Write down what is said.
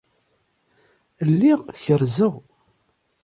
Lliɣ kerrzeɣ.